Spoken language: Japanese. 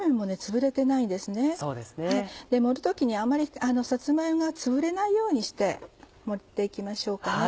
盛る時にあまりさつま芋がつぶれないようにして盛って行きましょうかね。